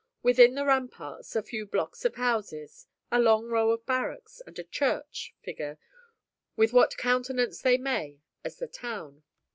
Within the ramparts, a few blocks of houses, a long row of barracks, and a church, figure, with what countenance they may, as the town.